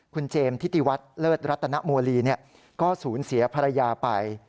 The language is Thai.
คุณเจมส์ทิติวัฒน์เลิศรัตนโมลีก็สูญเสียภรรยาไป